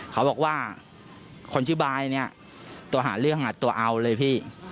เขาบอกว่าคนชื่อบายเนี่ยตัวหาเรื่องตัวเอาเลยพี่